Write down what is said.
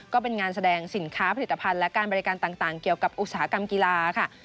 ก็เป็นงานแสดงสินค้าผลิตภัณฑ์และการบริการต่างเกี่ยวกับอุตสาหกรรมกีฬาค่ะ